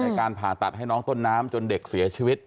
การผ่าตัดให้น้องต้นน้ำจนเด็กเสียชีวิต